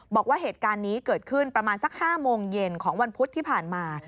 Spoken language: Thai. บอกว่าเหตุการณ์นี้เกิดขึ้นประมาณสัก๕โมงเย็นของวันพุธที่ผ่านมา